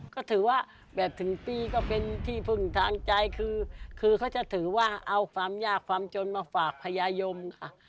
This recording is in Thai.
ก็ถือว่าแบบถึงปีก็เป็นที่พึ่งทางใจคือเขาจะถือว่าเอาความยากความจนมาฝากพญายมค่ะ